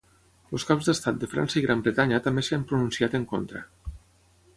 Els caps d'estat de França i Gran Bretanya també s'hi han pronunciat en contra.